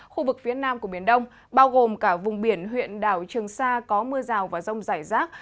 khu vực phía nam của biển đông bao gồm cả vùng biển huyện đảo trường sa có mưa rào và rông rải rác